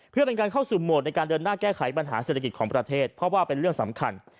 เพื่อเป็นการเข้าสู่โหมดในการเดินหน้าแก้ไขปัญหาเศรษฐกิจของประเทศเพราะว่าเป็นเรื่องสำคัญ